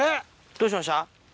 どうしました？